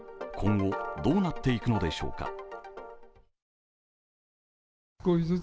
今後、どうなっていくのでしょうか。